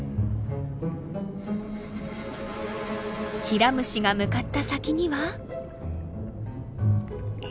ヒラムシが向かった先には。